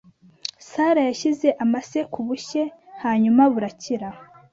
Sara yashyize amase ku bushye hanyuma burakira.